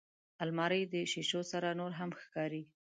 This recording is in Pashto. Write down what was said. الماري د شیشو سره نورهم ښکاري